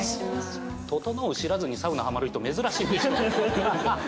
ととのう知らずにサウナハマる人珍しい。